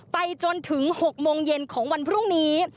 ไปจนถึง๖โมงเย็นของวันพรุ่งนี้